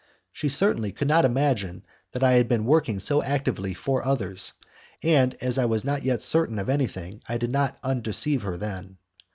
She certainly could not imagine that I had been working so actively for others, and, as I was not yet certain of anything, I did not undeceive her then.